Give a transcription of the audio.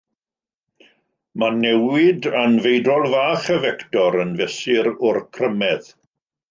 Mae newid anfeidrol fach y fector yn fesur o'r crymedd.